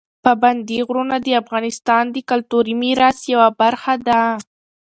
پابندي غرونه د افغانستان د کلتوري میراث یوه برخه ده.